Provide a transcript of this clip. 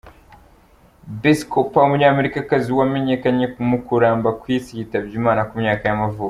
Besse Cooper, umunyamerikakazi wamenyekanye mu kuramba ku isi yitabye Imana ku myaka y’amavuko.